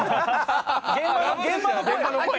現場の声。